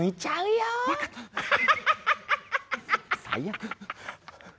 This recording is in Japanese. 最悪。